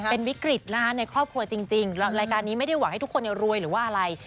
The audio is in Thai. เป็นวิกฤตนะคะในครอบครัวจริงรายการนี้ไม่ได้หวังให้ทุกคนรวยหรือว่าอะไร